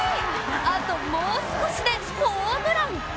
あともう少しでホームラン。